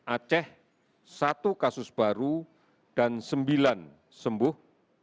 aceh satu kasus baru dan sembilan sembuh